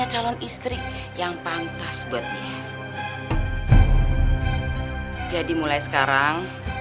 asal lo tau aja jalan